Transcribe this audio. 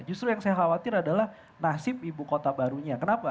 justru yang saya khawatir adalah nasib ibu kota barunya kenapa